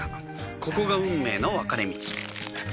ここが運命の分かれ道